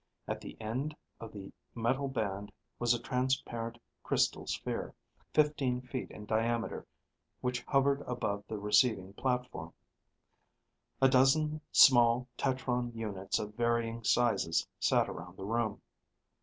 At the end of the metal band was a transparent crystal sphere, fifteen feet in diameter which hovered above the receiving platform. A dozen small tetron units of varying sizes sat around the room.